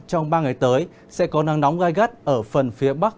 trong ba ngày tới sẽ có nắng nóng gai gắt ở phần phía bắc